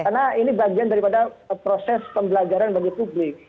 karena ini bagian daripada proses pembelajaran bagi publik